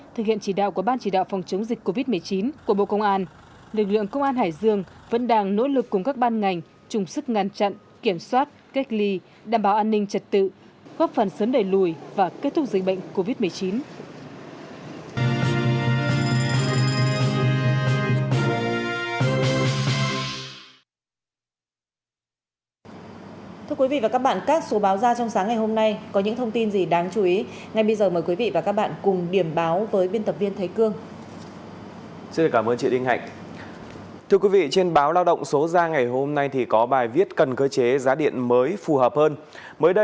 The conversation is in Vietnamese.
thực hiện chỉ đạo của ban chỉ đạo phòng chống dịch covid một mươi chín của bộ công an lực lượng công an hải dương vẫn đang nỗ lực cùng các ban ngành trùng sức ngăn chặn kiểm soát cách ly đảm bảo an ninh trật tự góp phần sớm đẩy lùi và kết thúc dịch bệnh covid một mươi chín